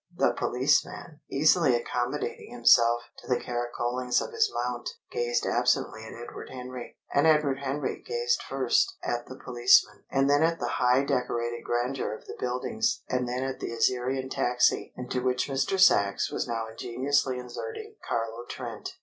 The policeman, easily accommodating himself to the caracolings of his mount, gazed absently at Edward Henry, and Edward Henry gazed first at the policeman, and then at the high decorated grandeur of the buildings, and then at the Assyrian taxi into which Mr. Sachs was now ingeniously inserting Carlo Trent.